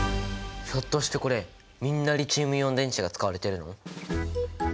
ひょっとしてこれみんなリチウムイオン電池が使われてるの？